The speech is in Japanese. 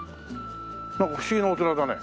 なんか不思議なお寺だね。